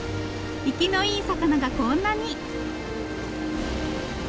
生きのいい魚がこんなに！